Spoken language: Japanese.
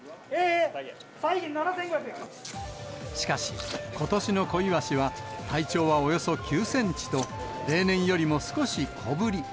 しかし、ことしの小イワシは体長はおよそ９センチと、例年よりも少し小ぶり。